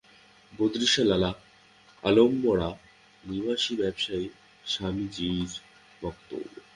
বদ্রীসা, লালা আলমোড়া-নিবাসী ব্যবসায়ী, স্বামীজীর ভক্ত।